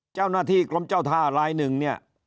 เจ้าหน้าที่กรมเจ้าท่าลายหนึ่งเนี่ย